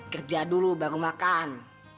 kerja dulu baru makan